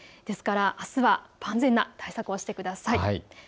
ですからあすは万全な対策をしてください。